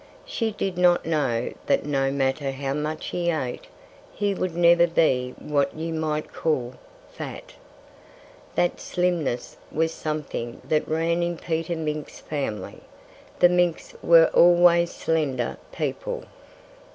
She did not know that no matter how much he ate, he would never be what you might call fat. That slimness was something that ran in Peter Mink's family. The Minks were always slender people.